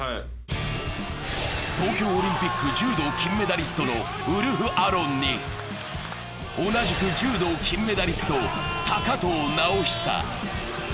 東京オリンピック柔道金メダリストのウルフ・アロンに同じく柔道金メダリスト・高藤直寿